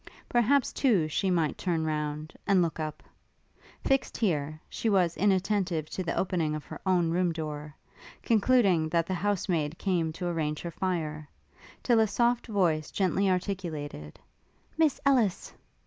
Perhaps, too, she might turn round, and look up. Fixt here, she was inattentive to the opening of her own room door, concluding that the house maid came to arrange her fire, till a soft voice gently articulated: 'Miss Ellis!'